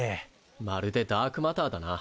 まるでダークマターだな。